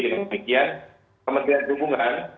dengan demikian kementerian hubungan